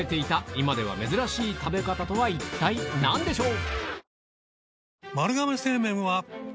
今では珍しい食べ方とは一体何でしょう？